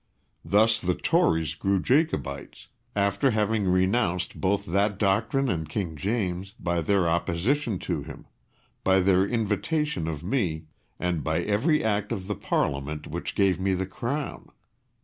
Thus the Tories grew Jacobites, after having renounced both that doctrine and King James, by their opposition to him, by their invitation of me, and by every Act of the Parliament which gave me the Crown.